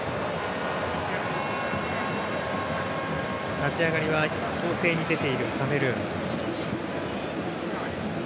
立ち上がりは攻勢に出ているカメルーン。